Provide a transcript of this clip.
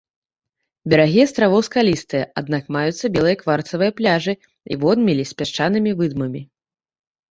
Берагі астравоў скалістыя, аднак маюцца белыя кварцавыя пляжы і водмелі з пясчанымі выдмамі.